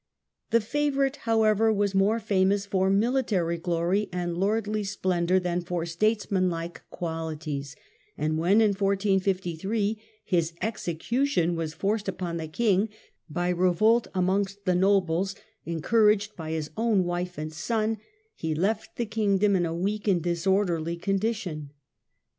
The favourite, however, was more famous for military glory and lordly splendour than for statesmanlike qualities, and when in 1453 his execution was forced upon the King by revolt amongst the nobles, encouraged by his own wife and son, he left the Kingdom in a weak and disorderly condition.